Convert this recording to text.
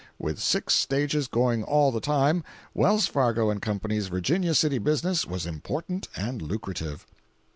With six stages going all the time, Wells, Fargo and Co.'s Virginia City business was important and lucrative.